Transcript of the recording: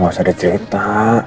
gak usah dicerita